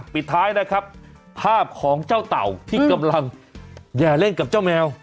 ปิดท้ายนะครับภาพของเจ้าเต่าที่กำลังแห่เล่นกับเจ้าแมว